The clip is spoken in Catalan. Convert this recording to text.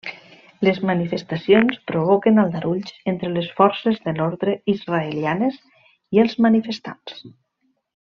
Les manifestacions provoquen aldarulls entre les forces de l'ordre israelianes i els manifestants.